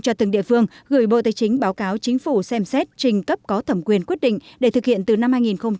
cho từng địa phương gửi bộ tài chính báo cáo chính phủ xem xét trình cấp có thẩm quyền quyết định để thực hiện từ năm hai nghìn một mươi năm